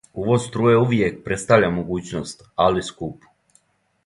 Увоз струје увијек представља могућност, али скупу.